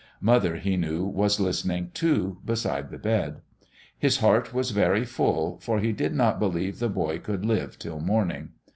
Mother, he knew, was listening, too, beside the bed. His heart was very full, for he did not believe the boy could live till morning.